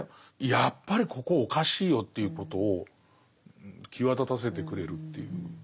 やっぱりここおかしいよっていうことを際立たせてくれるっていう。